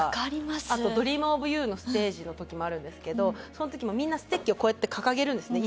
あと『ＤｒｅａｍｏｆＹｏｕ』のステージの時もあるんですけどその時もみんなステッキをこうやって掲げるんですね